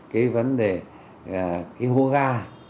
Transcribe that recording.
cái vấn đề hố ga